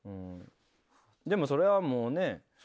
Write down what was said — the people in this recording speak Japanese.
でもそれはもうね。